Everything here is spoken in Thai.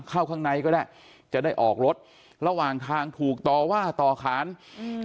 ข้างในก็ได้จะได้ออกรถระหว่างทางถูกต่อว่าต่อขานอืม